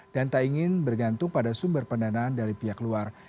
dan tak ingin bergantung pada sumber pendanaan dari pihak luar